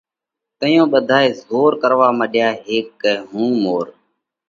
تئيون ٻڌائي زور ڪروا مڏيا هيڪ ڪئہ هُون مور